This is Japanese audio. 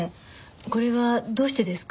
これはどうしてですか？